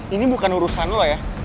ini bukan urusan lo ya